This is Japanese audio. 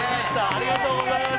ありがとうございます。